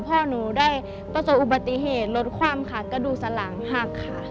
พ่อหนูได้ประสบอุบัติเหตุรถคว่ำค่ะกระดูกสลางหักค่ะ